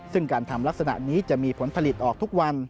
ซึ่งการทำลักษณะนี้จะมีผลผลิตออกทุกวัน